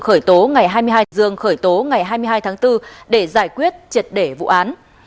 khởi tố ngày hai mươi hai tháng bốn để giải quyết triệt để vụ án